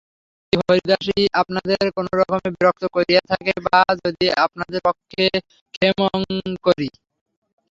যদি হরিদাসী আপনাদের কোনোরকমে বিরক্ত করিয়া থাকে, বা যদি আপনাদের পক্ষে— ক্ষেমংকরী।